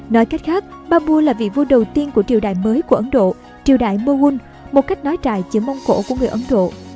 nói cách khác babur là vị vua đầu tiên của triều đại mới của ấn độ triều đại mughul một cách nói trải chữ mông cổ của người ấn độ